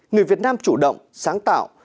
người việt nam chủ động sáng tạo